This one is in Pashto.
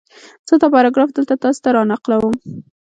زه دا پاراګراف دلته تاسې ته را نقلوم